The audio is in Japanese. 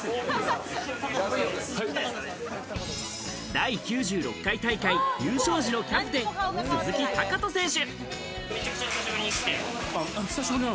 第９６回大会優勝時のキャプテン・鈴木塁人選手。